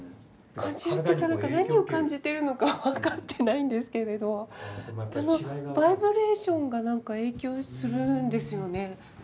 感じるっていうか何を感じてるのかは分かってないんですけれどバイブレーションが何か影響するんですよね？